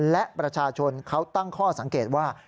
และประชาชนเขาตั้งข้อสังเกตว่า